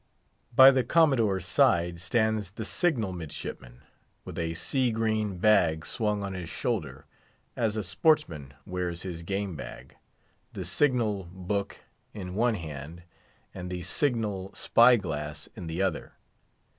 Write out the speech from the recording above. By the Commodore's side stands the signal midshipman, with a sea green bag swung on his shoulder (as a sportsman bears his game bag), the signal book in one hand, and the signal spy glass in the other.